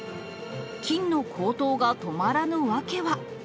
金の高騰が止まらぬ訳は。